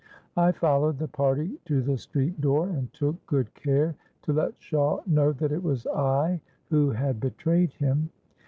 I followed the party to the street door, and took good care to let Shawe know that it was I who had betrayed him.